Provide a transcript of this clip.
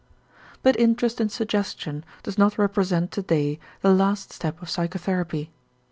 But interest in suggestion does not represent to day the last step of psychotherapy.